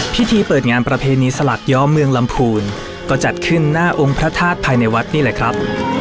พิธีเปิดงานประเพณีสลักย้อเมืองลำพูนก็จัดขึ้นหน้าองค์พระธาตุภายในวัดนี่แหละครับ